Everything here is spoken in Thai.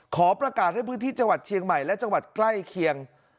ขอประกาศให้พื้นที่จังหวัดเชียงใหม่และจังหวัดใกล้เคียง